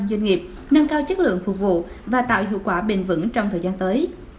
doanh nghiệp nâng cao chất lượng phục vụ và tạo hiệu quả bền vững trong thời gian tới